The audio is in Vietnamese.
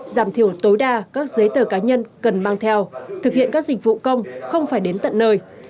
giảm thiểu tối đa các giấy tờ cá nhân cần mang theo thực hiện các dịch vụ công không phải đến tận nơi